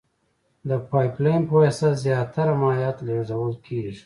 د پایپ لین په واسطه زیاتره مایعات لېږدول کیږي.